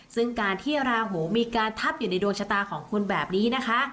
ซึ่งการที่ราหูมีการทับอยู่ในดวงชะตาของคุณแบบนี้นะคะ